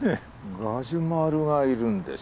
ガジュマルがいるんですよね。